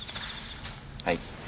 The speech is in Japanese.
はい。